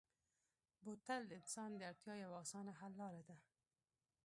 بوتل د انسان د اړتیا یوه اسانه حل لاره ده.